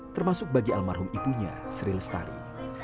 termasuk bagi almarhum ibunya sri lestari